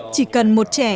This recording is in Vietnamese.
chỉ cần một trẻ